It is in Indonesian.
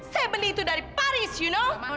saya beli itu dari paris you know